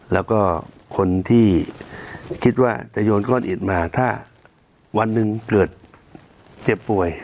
แล้วก็คนที่คิดว่าจะโยนก้อนอิดมาถ้าวันหนึ่งเกิดเจ็บป่วย